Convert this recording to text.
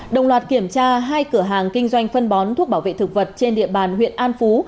đồng loạt kiểm tra hai cửa hàng kinh doanh phân bón thuốc bảo vệ thực vật trên địa bàn huyện an phú